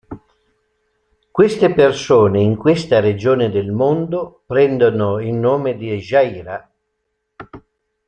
Queste persone in questa regione del mondo prendono il nome di "hijra".